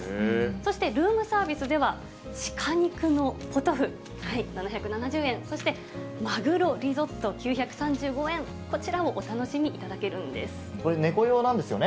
そしてルームサービスでは、鹿肉のポトフ７７０円、そしてまぐろリゾット９３５円、こちらもお楽しみいただけるんでこれ、猫用なんですよね？